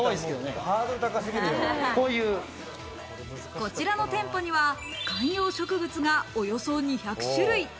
こちらの店舗には、観葉植物がおよそ２００種類。